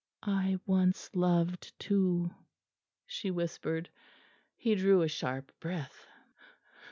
"I once loved too," she whispered. He drew a sharp breath.